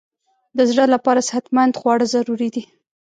د زړه لپاره صحتمند خواړه ضروري دي.